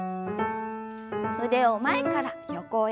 腕を前から横へ。